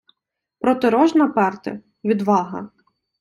Проти рожна перти — відвага